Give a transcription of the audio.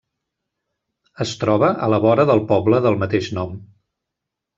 Es troba a la vora del poble del mateix nom.